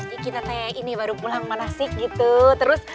ini kita teh ini baru pulang manasik gitu